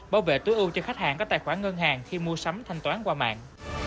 bảo vệ tối ưu cho khách hàng có tài khoản ngân hàng khi mua sắm thanh toán qua mạng